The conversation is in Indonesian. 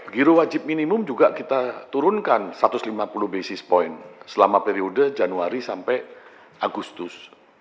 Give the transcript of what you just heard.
giro wajib minimum juga kita turunkan satu ratus lima puluh basis point selama periode januari sampai agustus